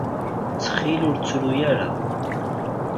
Ttxil ur ttru ara.